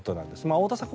太田さん